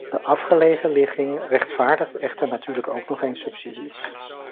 De afgelegen ligging rechtvaardigt echter natuurlijk ook nog eens subsidies.